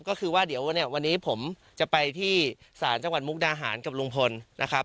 ก็คือว่าเดี๋ยวเนี่ยวันนี้ผมจะไปที่ศาลจังหวัดมุกดาหารกับลุงพลนะครับ